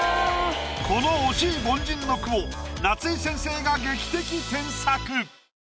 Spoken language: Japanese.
この惜しい凡人の句を夏井先生が劇的添削。